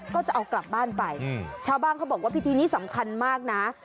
ก็จะเอากลับบ้านไปชาวบ้านเขาบอกว่าพิธีนี้สำคัญมากนะ